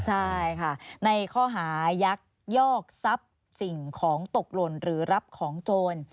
ใช่ค่ะในข้อหายักยอกทรัพย์สิ่งของตกหล่นหรือรับของโจร